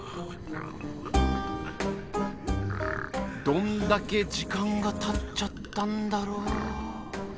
どんだけ時間がたっちゃったんだろう。